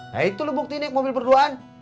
nah itu lo buktiin naik mobil berduaan